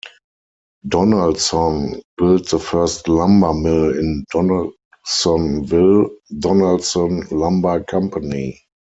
Donalson built the first lumber mill in Donalsonville, Donalson Lumber Company.